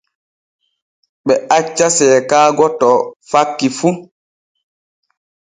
Ɓe acca seekaago to fakki fu.